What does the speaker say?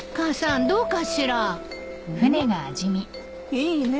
いいね。